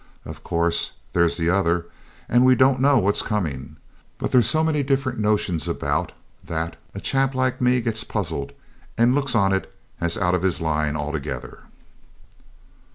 Of course, there's the other, and we don't know what's coming, but there's so many different notions about that a chap like me gets puzzled, and looks on it as out of his line altogether.